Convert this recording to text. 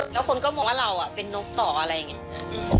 แล้วคนก็มองว่าเราเป็นนกต่ออะไรอย่างนี้